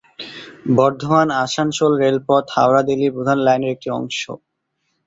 বর্ধমান-আসানসোল রেলপথ হাওড়া-দিল্লি প্রধান লাইনের একটি অংশ।